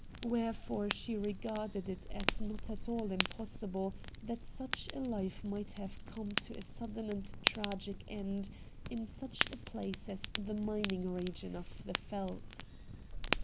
Wherefore, she regarded it as not at all impossible that such a life might have come to a sudden and tragic end in such a place as the mining region of the Yeldt.